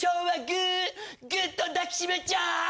グッと抱きしめちゃう！